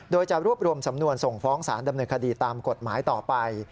โดยจะรวบรวมสำนวนส่งฟ้องสารดำเนินคดีตามกฎหมายต่อไป